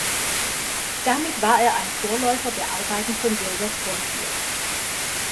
Damit war er ein Vorläufer der Arbeiten von Wilder Penfield.